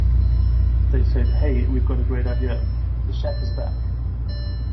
They said, Hey, we've got a great idea: 'The Shack is Back!